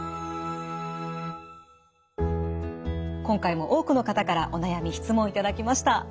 今回も多くの方からお悩み質問を頂きました。